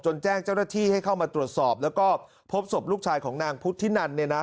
แจ้งเจ้าหน้าที่ให้เข้ามาตรวจสอบแล้วก็พบศพลูกชายของนางพุทธินันเนี่ยนะ